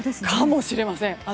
かもしれません。